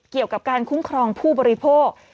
เกี่ยวกับการคุ้มครองผู้บริโภค